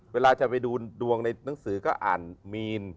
เวลาจะไปดูดวงในหนังสือก็อ่านมีน